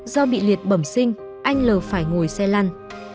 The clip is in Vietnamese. do bị liệt bẩm sinh anh l phải ngồi xe lăn